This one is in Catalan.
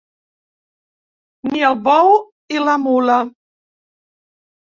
Ni el bou i la mula.